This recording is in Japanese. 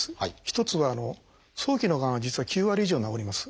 一つは早期のがんは実は９割以上治ります。